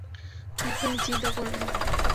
কিন্তু তুমি চিন্তা কোরো না।